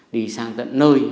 đi sang tận nơi